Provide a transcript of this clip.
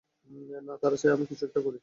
না, তারা চায় আমি কিছু একটা করি।